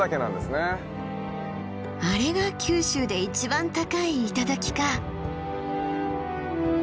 あれが九州で一番高い頂か！